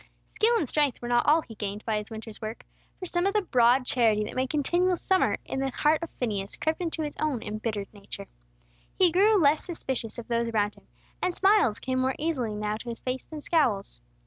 Skill and strength were not all he gained by his winter's work; for some of the broad charity that made continual summer in the heart of Phineas crept into his own embittered nature. He grew less suspicious of those around him, and smiles came more easily now to his face than scowls.